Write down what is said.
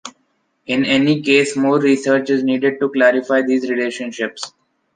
In any case more research is needed to clarify these relationships.